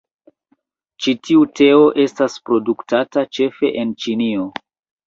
Ĉi tiu teo estas produktata ĉefe en Ĉinio.